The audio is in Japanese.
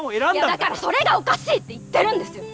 だからそれがおかしいって言ってるんです！